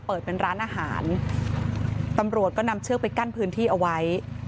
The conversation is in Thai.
เปิดเป็นร้านอาหารตำรวจก็นำเชือกไปกั้นพื้นที่เอาไว้